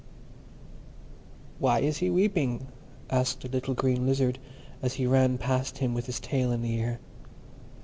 "Why is he weeping?" asked a little Green Lizard, as he ran past him with his tail in the air.